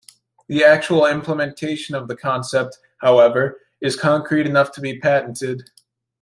The actual implementation of the concept, however, is concrete enough to be patented.